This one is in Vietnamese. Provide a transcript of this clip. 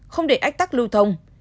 không để ách tắc lưu thông